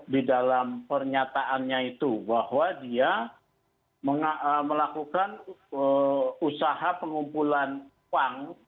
di dalam pernyataannya itu bahwa dia melakukan usaha pengumpulan uang